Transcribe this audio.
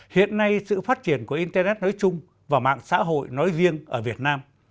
hiện nay sự phát triển của internet nói chung và mạng xã hội nói riêng ở việt nam